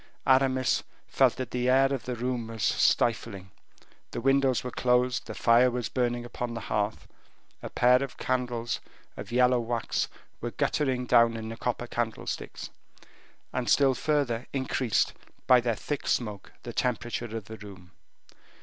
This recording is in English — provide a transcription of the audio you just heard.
Aramis felt that the air of the room was stifling; the windows were closed; the fire was burning upon the hearth; a pair of candles of yellow wax were guttering down in the copper candlesticks, and still further increased, by their thick smoke, the temperature of the room.